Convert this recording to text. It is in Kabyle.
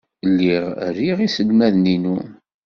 Lliɣ riɣ iselmaden-inu.